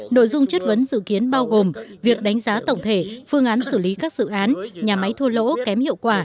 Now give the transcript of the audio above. nội dung chất vấn dự kiến bao gồm việc đánh giá tổng thể phương án xử lý các dự án nhà máy thua lỗ kém hiệu quả